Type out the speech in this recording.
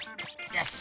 よし。